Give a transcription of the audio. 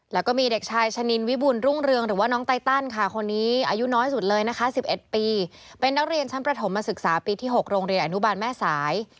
แล้วก็มีเด็กชายชะนินวิบุลรุ้งเรืองหรือว่าน้องไต้ตั้นอายุ๑๑ปีเป็นนักเรียนชั้นประถมมาศึกษาปีที่๖โรงเรียนอนุบาลแม่สาย